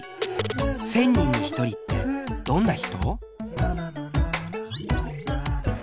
１０００人に１人ってどんな人？